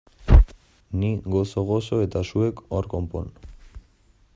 Ni gozo-gozo eta zuek hor konpon!